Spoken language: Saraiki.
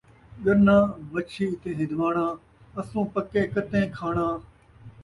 ڳنا ، مچھی تے ہن٘دواݨاں ، اسوں پکے کتّیں کھاݨاں